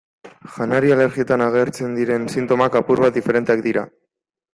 Janari-alergietan agertzen diren sintomak apur bat diferenteak dira.